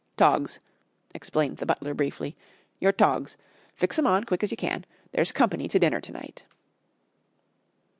"Togs," explained the butler briefly. "Your togs. Fix 'em on quick as you can. There's company to dinner to night."